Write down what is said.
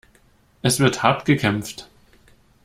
Es wird hart gekämpft.